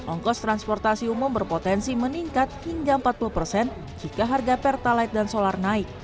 ongkos transportasi umum berpotensi meningkat hingga empat puluh persen jika harga pertalite dan solar naik